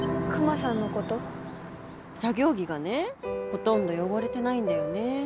作業着がねほとんど汚れてないんだよね。